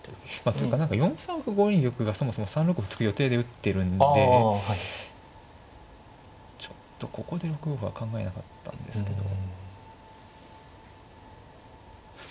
というか何か４三歩５二玉がそもそも３六歩突く予定で打ってるんでちょっとここで６五歩は考えなかったんですけど。